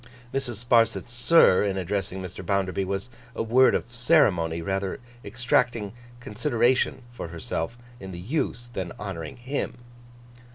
Mrs. Sparsit's 'sir,' in addressing Mr. Bounderby, was a word of ceremony, rather exacting consideration for herself in the use, than honouring him.